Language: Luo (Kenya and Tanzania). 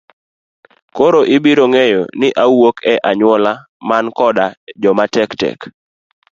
Koro ibiro ng'eyo ni awuok e anyuola man koda joma tek tek.